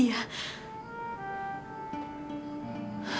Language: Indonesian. iya temennya aditya pasti punya alamatnya